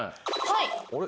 はい。